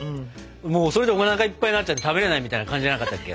もうそれでおなかいっぱいになっちゃって食べれないみたいな感じじゃなかったっけ。